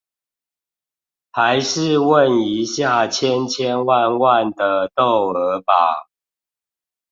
還是問一下千千萬萬的竇娥吧